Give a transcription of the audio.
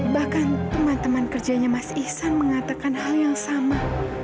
bahkan teman teman kerjanya mas ihsan mengatakan hal yang sama